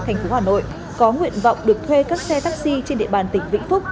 thành phố hà nội có nguyện vọng được thuê các xe taxi trên địa bàn tỉnh vĩnh phúc